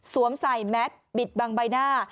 ใส่แม็กซ์บิดบังใบหน้า